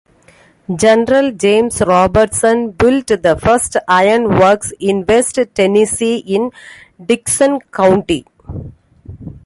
General James Robertson built the first iron works in west Tennessee in Dickson County.